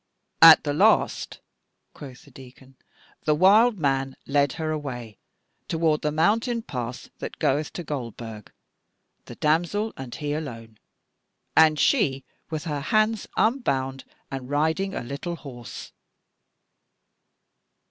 "At the last," quoth the Deacon, "the wild man led her away toward the mountain pass that goeth to Goldburg, the damsel and he alone, and she with her hands unbound and riding a little horse."